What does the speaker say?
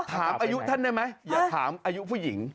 ถามอายุท่านได้ไหมอย่าถามอายุผู้หญิง